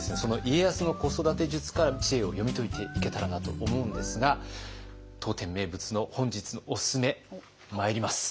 家康の子育て術から知恵を読み解いていけたらなと思うんですが当店名物の本日のおすすめまいります。